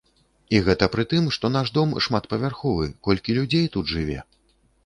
І гэта пры тым, што наш дом шматпавярховы, колькі людзей тут жыве!